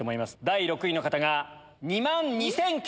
第６位の方が２万２９００円。